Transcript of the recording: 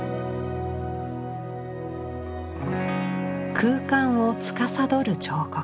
空間をつかさどる彫刻。